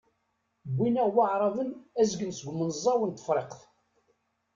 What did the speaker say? Wwin-aɣ Waεraben azgen seg umenẓaw n Tefriqt.